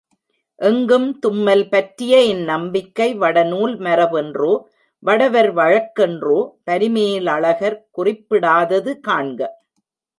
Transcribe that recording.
எங்கும் தும்மல் பற்றிய இந்நம்பிக்கை வடநூல் மரபென்றோ வடவர் வழக்கென்றோ பரிமேலழகர் குறிப்பிடாதது காண்க.